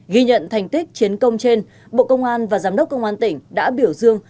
ghi nhận thành tích chiến công trên bộ công an và giám đốc công an tỉnh đã biểu dương